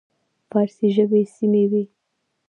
فارسي ژبې سیمې وې.